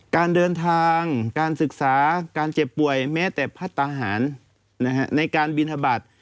การเดินทางการศึกษาการเจ็บป่วยแม้แต่พัฒนาหารในการบินทบาท